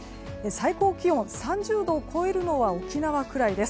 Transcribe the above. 最高気温、３０度を超えるのは沖縄くらいです。